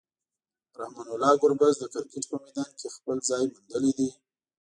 رحمان الله ګربز د کرکټ په میدان کې خپل ځای موندلی دی.